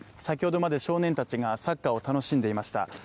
先ほどまで少年たちがサッカーを楽しんでいました。